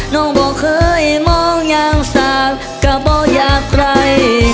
น้องบอกเคยมองอย่างสาดก็บ่อยากไกล